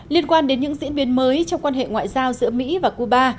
liên quan đến những diễn biến mới trong quan hệ ngoại giao giữa mỹ và cuba